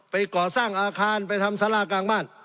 ก่อสร้างอาคารไปทำสารากลางบ้าน